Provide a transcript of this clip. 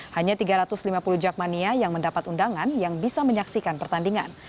hanya tiga ratus lima puluh jakmania yang mendapat undangan yang bisa menyaksikan pertandingan